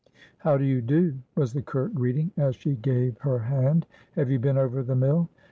"How do you do?" was the curt greeting, as she gave her hand. "Have you been over the mill?"